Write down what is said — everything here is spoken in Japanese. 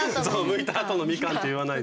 むいたあとのみかんって言わない。